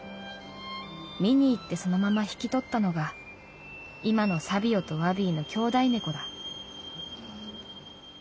見にいってそのまま引き取ったのがいまのサビオとワビイの兄妹猫だ」。